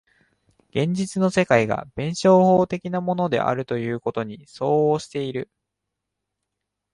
現実の世界が弁証法的なものであるということに相応している。